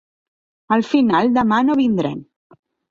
Al final demà no vindrem.